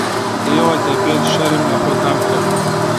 ئێوە دەبێت شەرم لە خۆتان بکەن.